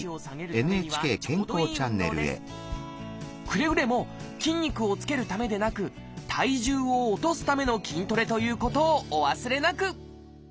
くれぐれも筋肉をつけるためでなく体重を落とすための筋トレということをお忘れなく！